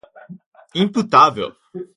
imputável